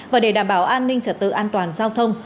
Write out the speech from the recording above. và để đảm bảo an ninh trật tự an toàn giao thông